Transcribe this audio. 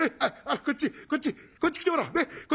こっちこっちこっち来てもらおうねっ。